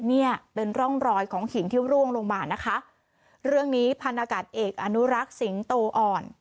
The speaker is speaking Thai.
เนี่ยเป็นร่องรอยของหินที่ร่วงลงมานะคะเรื่องนี้พันอากาศเอกอนุรักษ์สิงโตอ่อน